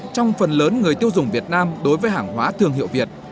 trong phần lớn người tiêu dùng việt nam đối với hàng hóa thương hiệu việt